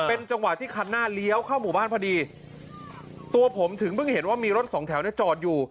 เป็นจังหวะที่คันหน้าเลี้ยวเข้าหมู่บ้านพอดีตัวผมถึงเพิ่งเห็นว่ามีรถสองแถวเนี่ยจอดอยู่